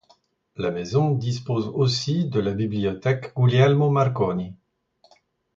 La Maison dispose aussi de la Bibliothèque Guglielmo Marconi.